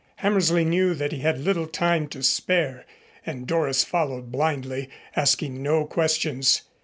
Hammersley knew that he had little time to spare, and Doris followed blindly, asking no questions.